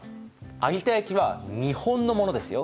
有田焼は日本のものですよ！